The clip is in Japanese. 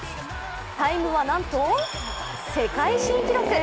タイムは、なんと世界新記録。